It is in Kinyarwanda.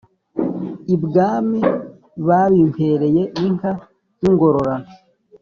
ibwami babimpereye inka y'ingororano